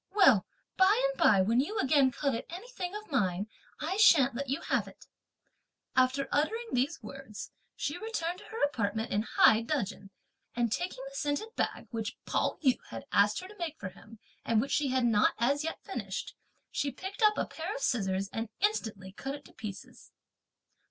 Well, by and by, when you again covet anything of mine, I shan't let you have it." After uttering these words, she returned into her apartment in high dudgeon, and taking the scented bag, which Pao yü had asked her to make for him, and which she had not as yet finished, she picked up a pair of scissors, and instantly cut it to pieces.